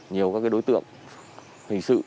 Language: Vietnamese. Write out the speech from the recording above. nhiều các đối tượng hình sự